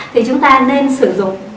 thì chúng ta nên sử dụng